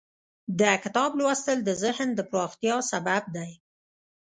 د کتاب لوستل د ذهن د پراختیا سبب دی.